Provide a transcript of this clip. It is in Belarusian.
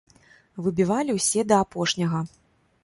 Выбівалі ўсе да апошняга.